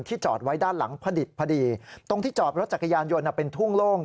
จอดไว้ด้านหลังพระดิษฐ์พอดีตรงที่จอดรถจักรยานยนต์เป็นทุ่งโล่ง